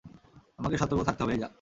আমাকে সতর্ক থাকতে হবে, এই যা।